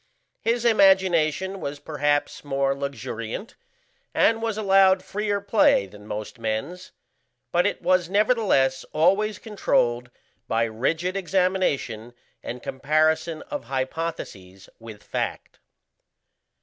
His imagination was perhaps more luxuriant and was allowed freer play than most men's, but it was nevertheless always controlled by rigid examination and comparison of hypotheses with fact.